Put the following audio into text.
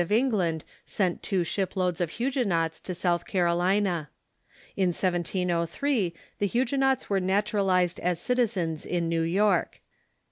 of England sent two ship loads of Huguenots to South Car olina. In 1703 the Huguenots were naturalized as citizens in New York.